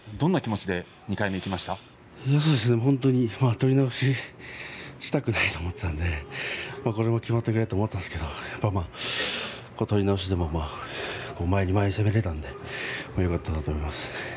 ２回目は取り直しをしたくないと思っていたのでこれで決まってくれと思ったんですけれども取り直しでも前に前に攻められたのでよかったんだと思います。